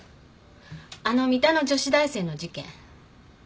あの三田の女子大生の事件。